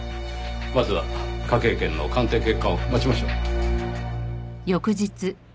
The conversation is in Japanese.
まずは科警研の鑑定結果を待ちましょう。